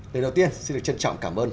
đến đầu tiên xin được trân trọng cảm ơn